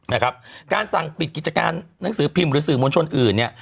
นะครับการสั่งปิดกิจการหนังสือพิมพ์หรือสื่อมวลชนอื่นเนี่ย